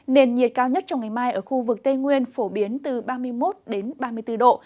nền nhiệt cao nhất trong ngày mai ở khu vực tây nguyên phổ biến từ ba mươi một ba mươi bốn độ